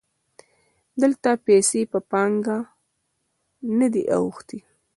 دلته پیسې په پانګه نه دي اوښتي